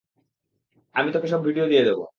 আমি তোকে সব ভিডিও দিয়ে দেব।